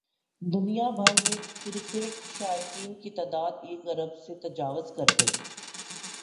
دنیا بھر میں کرکٹ شائقین کی تعداد ایک ارب سے تجاوز کر گئی